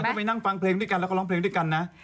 ก็ไปนั่งฟังเพลงด้วยกันแล้วก็ร้องเพลงด้วยกันนะ